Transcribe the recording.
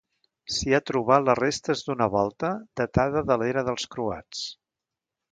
S'hi ha trobat les restes d'una volta, datada de l'era dels croats.